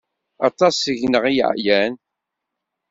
Aṭas seg-neɣ ay yeɛyan.